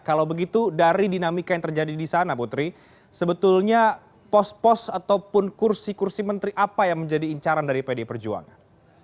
kalau begitu dari dinamika yang terjadi di sana putri sebetulnya pos pos ataupun kursi kursi menteri apa yang menjadi incaran dari pdi perjuangan